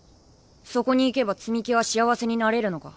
そこに行けば津美紀は幸せになれるのか？